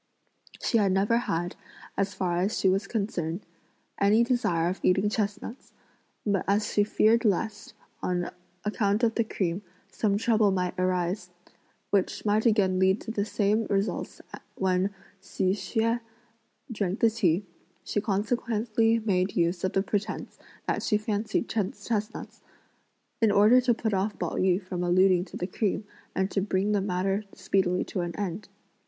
She had never had, as far as she was concerned, any desire of eating chestnuts, but as she feared lest, on account of the cream, some trouble might arise, which might again lead to the same results as when Hsi Hsüeh drank the tea, she consequently made use of the pretence that she fancied chestnuts, in order to put off Pao yü from alluding (to the cream) and to bring the matter speedily to an end.